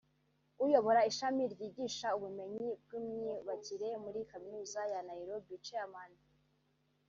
uyobora Ishami ryigisha ubumenyi bw’imyubakire muri Kaminuza ya Nairobi (Chairman